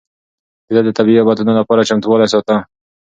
ده د طبيعي افتونو لپاره چمتووالی ساته.